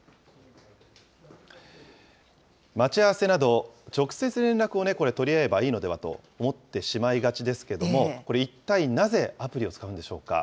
待ち合わせなど、直接連絡を取り合えばいいのではと思ってしまいがちですけども、これ、一体なぜ、アプリを使うんでしょうか。